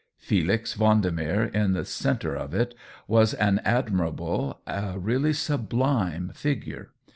Felix Vendemer, in the centre of it, was an admirable, a really sublime figure.